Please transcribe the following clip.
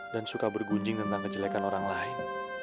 dan suka bergunjing tentang kejelekan orang lain